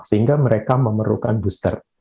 sehingga mereka memerlukan booster